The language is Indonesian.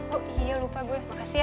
oh iya lupa gue makasih ya